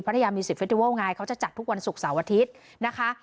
ทยามีสิทธิเฟสติวัลไงเขาจะจัดทุกวันศุกร์เสาร์อาทิตย์นะคะ